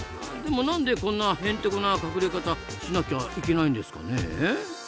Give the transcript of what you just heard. でも何でこんなヘンテコな隠れ方しなきゃいけないんですかねえ？